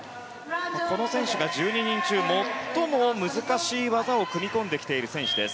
この選手が１２人中最も難しい技を組み込んできている選手です。